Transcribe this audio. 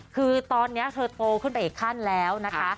คือตอนนี้เธอโตขึ้นไปอีกขั้นแล้วนะคะ